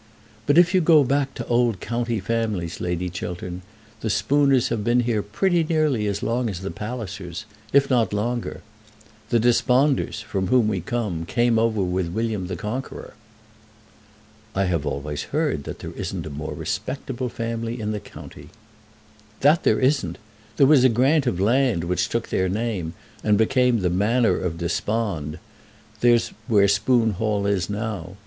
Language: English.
But if you go back to old county families, Lady Chiltern, the Spooners have been here pretty nearly as long as the Pallisers, if not longer. The Desponders, from whom we come, came over with William the Conqueror." "I have always heard that there isn't a more respectable family in the county." "That there isn't. There was a grant of land, which took their name, and became the Manor of Despond; there's where Spoon Hall is now.